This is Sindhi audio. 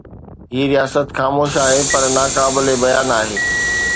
هي رياست خاموش آهي پر ناقابل بيان آهي.